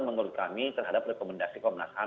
menurut kami terhadap rekomendasi komnas ham